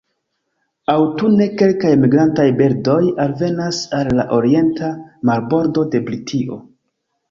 Aŭtune kelkaj migrantaj birdoj alvenas al la orienta marbordo de Britio.